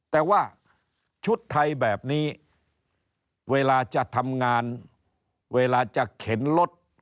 แต่ว่าชุดไทยแบบนี้เวลาจะทำงานเวลาจะเข็นรถ